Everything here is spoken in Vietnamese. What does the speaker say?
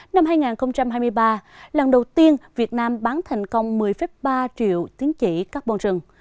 năm hai nghìn hai mươi ba lần đầu tiên việt nam bán thành công một mươi ba triệu tính trị carbon rừng